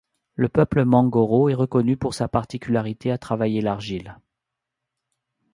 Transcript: Le peuple mangoro est reconnu pour sa particularité à travailler l'argile.